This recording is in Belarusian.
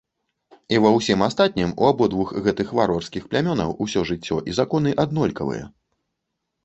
І ва ўсім астатнім у абодвух гэтых варварскіх плямёнаў усё жыццё і законы аднолькавыя.